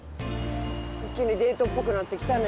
一気にデートっぽくなって来たね。